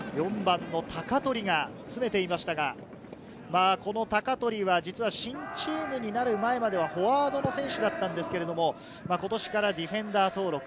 ４番の鷹取が詰めていましたが、鷹取は実は新チームになる前までは、フォワードの選手だったんですけれど、今年からディフェンダー登録。